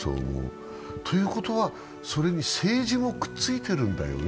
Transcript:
ということはそれに政治もくっついているんだよね。